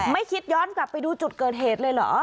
ไม่คิดย้อนกลับไปดูจุดเกิดเหตุเลยเหรอ